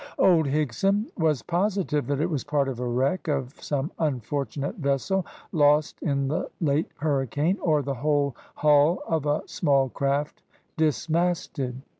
Old Higson was positive that it was part of a wreck of some unfortunate vessel lost in the late hurricane, or the whole hull of a small craft dismasted.